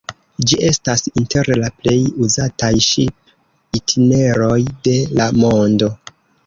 Ĝi estas inter la plej uzataj ŝip-itineroj de la mondo.